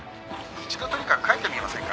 「一度とにかく書いてみませんか？」